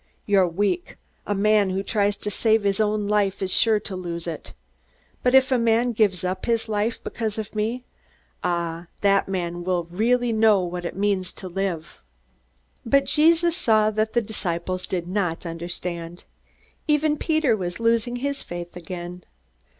You're weak. A man who tries to save his own life is sure to lose it. But if a man gives up his life because of me ah, that man will really know what it means to live!" But Jesus saw that the disciples did not understand. Even Peter was losing his faith again.